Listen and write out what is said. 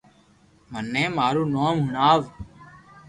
مني مارو نوم ھڻاو